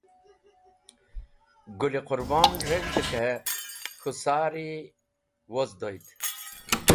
Gũl-e Qũrbon reg̃hde k̃he k̃hũ sari wozdoyd.